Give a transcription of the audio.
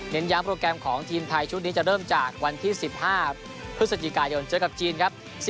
ย้ำโปรแกรมของทีมไทยชุดนี้จะเริ่มจากวันที่๑๕พฤศจิกายนเจอกับจีนครับ